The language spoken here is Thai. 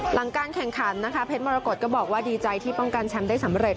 หลังการแข่งขันนะคะเพชรมรกฏก็บอกว่าดีใจที่ป้องกันแชมป์ได้สำเร็จ